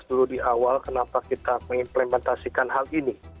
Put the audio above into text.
saya perlu di awal kenapa kita mengimplementasikan hal ini